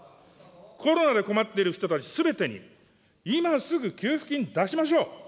コロナで困っている人たちすべてに、今すぐ給付金出しましょう。